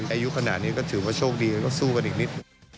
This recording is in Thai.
อายุขนาดนี้ก็ถือว่าโชคดีแล้วก็สู้กันอีกนิด